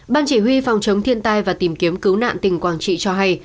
ban chỉ huy phòng chống thiên tai và tìm kiếm cứu nạn tỉnh quảng trị cho hay